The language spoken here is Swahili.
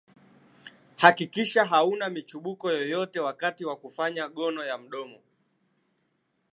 hakikisha hauna michubuko yoyote wakati wa kufanya gono ya mdomo